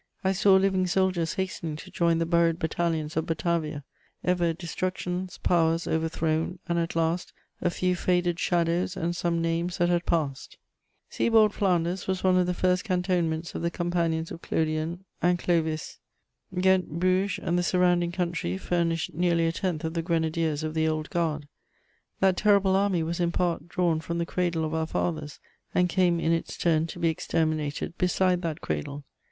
I saw living soldiers hastening to join the buried battalions of Batavia: ever destructions, powers overthrown; and, at last, a few faded shadows and some names that had passed. Sea board Flanders was one of the first cantonments of the companions of Clodion and Clovis. Ghent, Bruges and the surrounding country furnished nearly a tenth of the grenadiers of the Old Guard: that terrible army was in part drawn from the cradle of our fathers, and came in its turn to be exterminated beside that cradle.